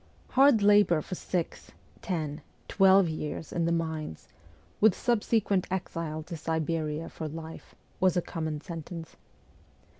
Hard labour for six, ten, twelve years in the mines, with subsequent exile to Siberia for life, was a common sentence.